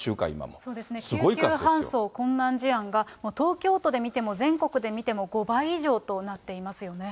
そうですね、救急搬送困難事案が、東京都で見ても、全国で見ても、５倍以上となっていますよね。